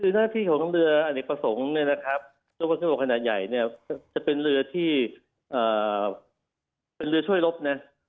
คือหน้าที่ของเรืออเนกประสงค์เนี่ยนะครับระบบขนาดใหญ่เนี่ยจะเป็นเรือที่เป็นเรือช่วยลบนะ